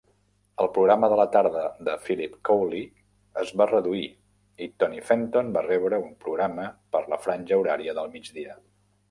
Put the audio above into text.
El programa de la tarda de Philip Cawley es va reduir i Tony Fenton va rebre un programa per la franja horària del midgia.